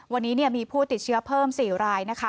วันนี้เนี้ยมีผู้ติดเชื้อเพิ่มสี่รายนะคะ